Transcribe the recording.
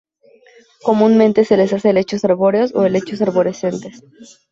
Comúnmente se les llama helechos arbóreos o helechos arborescentes.